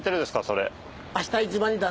それ。